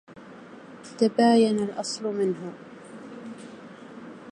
تباين الأصل منه